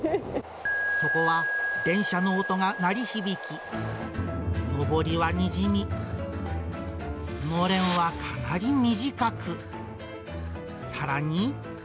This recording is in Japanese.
そこは電車の音が鳴り響き、のぼりはにじみ、のれんはかなり短く、さらに。